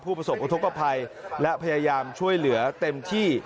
ประสบอุทธกภัยและพยายามช่วยเหลือเต็มที่